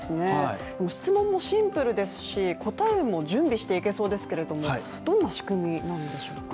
質問もシンプルですし、答えも準備していけそうですけども、どんな仕組みなんでしょうか。